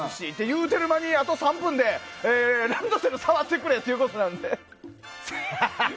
言っている間に残り３分でランドセル触ってくれということなんで。